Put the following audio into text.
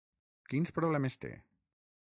Quins problemes té?